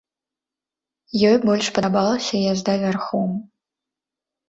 Ёй больш падабалася язда вярхом.